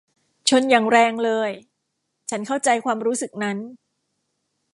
ชนอย่างแรงเลย ฉันเข้าใจความรู้สึกนั้น